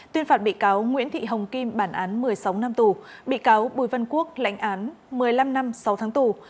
tuyên phạt bị cáo nguyễn thị hồng kim bản án một mươi sáu năm tù bị cáo bùi văn quốc lãnh án một mươi năm năm sáu tháng tù